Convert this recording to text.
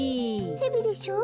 ヘビでしょ？